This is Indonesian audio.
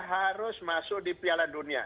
harus masuk di piala dunia